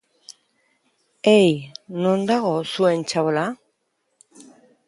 Ei, non dago zuen txabola?